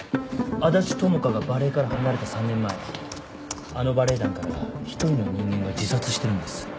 安達智花がバレエから離れた３年前あのバレエ団から１人の人間が自殺してるんです。